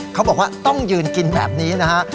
เขาบอกว่าต้องยืนกินแบบนี้นะฮะ